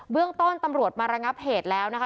เรื่องต้นตำรวจมาระงับเหตุแล้วนะคะ